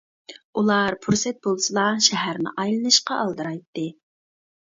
ئۇلار پۇرسەت بولسىلا شەھەرنى ئايلىنىشقا ئالدىرايتتى.